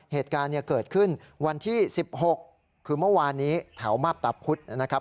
เหตุการณ์เกิดขึ้นวันที่๑๖คือเมื่อวานนี้แถวมาบตาพุธนะครับ